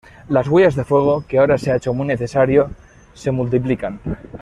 Las huellas de fuego, que ahora se ha hecho muy necesario, se multiplican.